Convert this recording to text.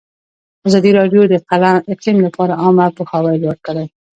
ازادي راډیو د اقلیم لپاره عامه پوهاوي لوړ کړی.